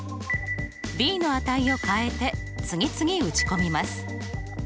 ｂの値を変えて次々打ち込みます。